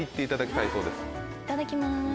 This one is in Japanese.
いただきます。